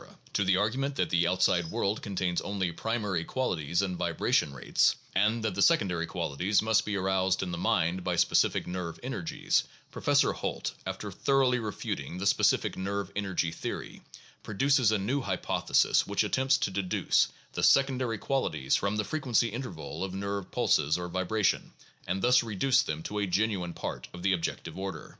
To the argument that the outside world contains only primary qualities and vibration rates, and that the secondary qualities must be aroused in the mind by specific nerve energies, Professor Holt, after thoroughly refuting the specific nerve energy theory, produces a new hypothesis which attempts to deduce the secondary qualities from the frequency inter val of nerve pulses or vibration, and thus reduce them to a genuine part of the objective order.